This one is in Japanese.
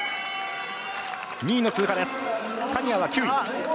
２位の通過。